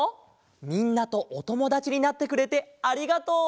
みんなとおともだちになってくれてありがとう！